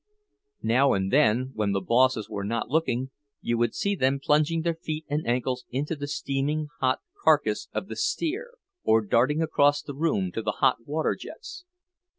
Now and then, when the bosses were not looking, you would see them plunging their feet and ankles into the steaming hot carcass of the steer, or darting across the room to the hot water jets.